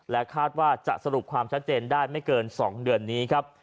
คาดว่าจะสรุปความชัดเจนได้ไม่เกิน๒เดือนนี้ครับ